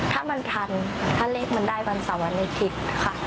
ถ้ามันทันถ้าเลขมันได้วันเสาร์วันอาทิตย์ค่ะ